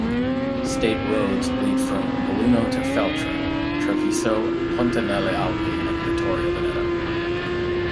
State roads lead from Belluno to Feltre, Treviso, Ponte nelle Alpi and Vittorio Veneto.